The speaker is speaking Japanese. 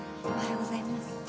おはようございます。